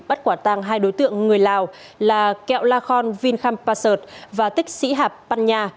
bắt quả tăng hai đối tượng người lào là kẹo la khon vinhampasert và tích sĩ hạp panya